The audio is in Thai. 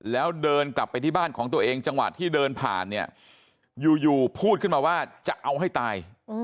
แล้วเดินกลับไปที่บ้านของตัวเองจังหวะที่เดินผ่านเนี่ยอยู่พูดขึ้นมาว่าจะเอาให้ตาย